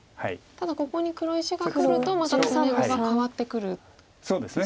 ただここに黒石がくるとまた詰碁が変わってくるんですか。